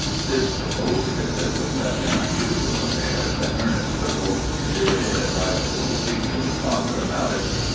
This proposed visit was such an unusual affair that Ernest Whipple considered it advisable to speak to his father about it.